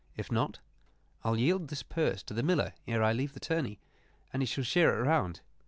If not, I'll yield this purse to the miller ere I leave the tourney, and he shall share it round.